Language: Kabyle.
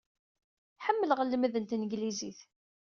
Ḥemmleɣ e- lmed n tenglizit.